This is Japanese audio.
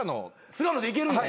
菅野でいけるの？